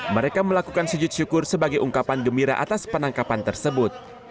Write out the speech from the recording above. mereka melakukan sujud syukur sebagai ungkapan gembira atas penangkapan tersebut